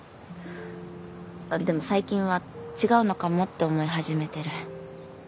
でも最近は違うのかもって思い始めてる。